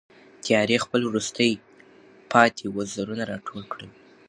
تیارې خپل وروستي پاتې وزرونه را ټول کړل.